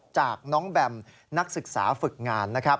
จากน้องแบมนักศึกษาฝึกงาน